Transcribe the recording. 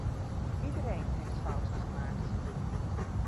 Iedereen heeft fouten gemaakt.